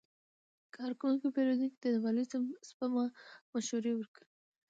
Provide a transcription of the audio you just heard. کارکوونکي پیرودونکو ته د مالي سپما مشورې ورکوي.